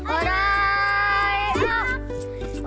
โอเคออฟ